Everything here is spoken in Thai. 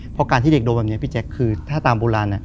เพราะการที่เด็กโดนแบบนี้พี่แจ๊คคือถ้าตามโบราณ